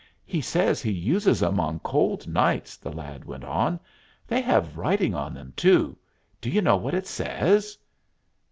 "He says he uses 'em on cold nights," the lad went on. "They have writing on 'em, too. Do you know what it says?"